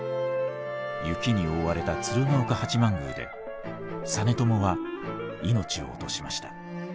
雪に覆われた鶴岡八幡宮で実朝は命を落としました。